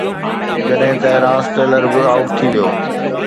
جڏهن ته Ross Taylor به آئوٽ ٿي ويو.